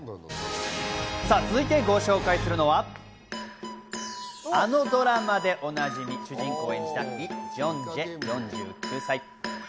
続いてご紹介するのは、あのドラマでおなじみ、主人公を演じたイ・ジョンジェ、４９歳。